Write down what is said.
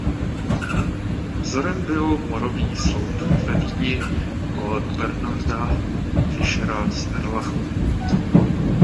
Vzorem byl morový sloup ve Vídni od Bernarda Fischera z Erlachu.